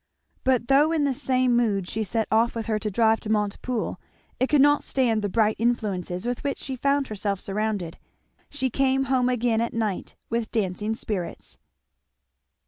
But though in the same mood she set off with her to drive to Montepoole, it could not stand the bright influences with which she found herself surrounded. She came home again at night with dancing spirits.